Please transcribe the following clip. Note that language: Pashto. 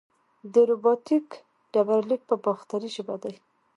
د رباتک ډبرلیک په باختري ژبه دی